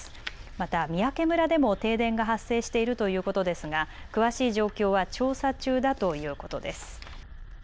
また三宅村でも停電が発生しているということですが詳しい状況は調査中だということです。